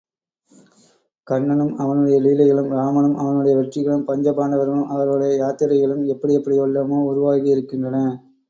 கண்ணனும் அவனுடைய லீலைகளும், ராமனும் அவனுடைய வெற்றிகளும், பஞ்சபாண்டவர்களும் அவர்களுடைய யாத்திரைகளும் எப்படி எப்படியெல்லாமோ உருவாகியிருக்கின்றன.